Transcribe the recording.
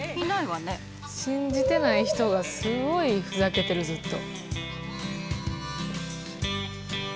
信じてない人がすごいふざけてるずっと。